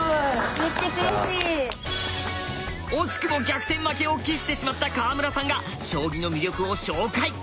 惜しくも逆転負けを喫してしまった川村さんが将棋の魅力を紹介！